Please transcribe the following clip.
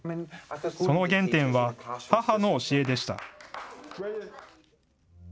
その原点は、母の教えでした。